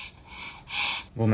ごめん。